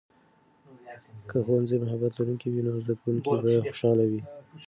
که ښوونځی محبت لرونکی وي، نو زده کوونکي به خوشاله وي.